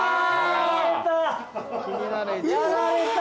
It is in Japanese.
やられた！